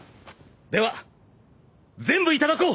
では全部頂こう！